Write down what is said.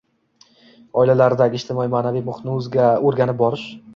oilalardagi ijtimoiy-ma’naviy muhitni o‘rganib borish